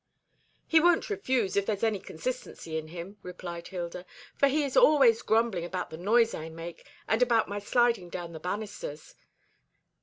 "He won't refuse, if there's any consistency in him," replied Hilda, "for he is always grumbling about the noise I make, and about my sliding down the banisters.